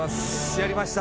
やりました。